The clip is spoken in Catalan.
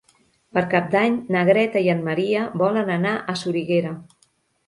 Per Cap d'Any na Greta i en Maria volen anar a Soriguera.